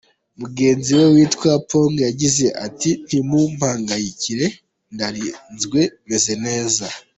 Mugenzi we witwa Pong yagize ati "Ntimumpangayikire, ndarinzwe, meze neza.